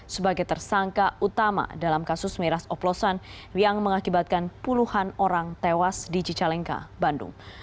sebagai tersangka utama dalam kasus miras oplosan yang mengakibatkan puluhan orang tewas di cicalengka bandung